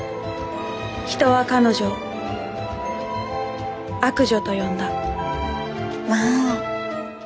人は彼女を悪女と呼んだまああ。